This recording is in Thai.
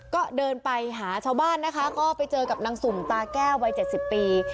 ก็เดินไปหาชาวบ้านนะคะก็ไปเจอกับนางสุ่มตาแก้ววัย๗๐ปี